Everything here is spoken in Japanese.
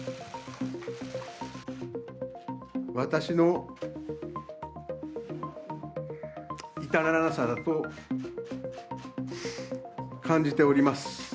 私の至らなさだと感じております。